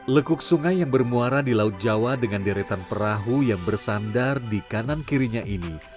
lekuk sungai yang bermuara di laut jawa dengan deretan perahu yang bersandar di kanan kirinya ini